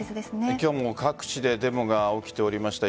今日も各地でデモが起きておりました。